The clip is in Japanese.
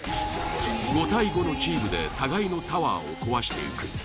５対５のチームで互いのタワーを壊していく。